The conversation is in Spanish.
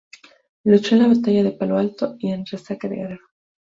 Luchó en la batalla de Palo Alto y en Resaca de Guerrero.